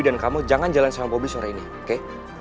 dan kamu jangan jalan sama bobby sore ini oke